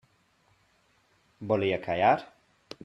Volia callar?